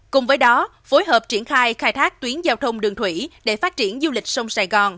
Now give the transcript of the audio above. cùng với đó phối hợp triển khai khai thác tuyến giao thông đường thủy để phát triển du lịch sông sài gòn